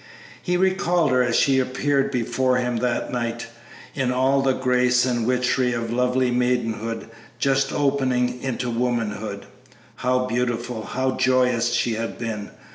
He recalled her as she appeared before him that night in all the grace and witchery of lovely maidenhood just opening into womanhood. How beautiful, how joyous she had been!